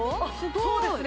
そうですね